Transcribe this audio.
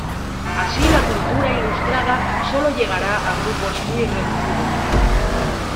Así la cultura ilustrada solo llegará a grupos muy reducidos.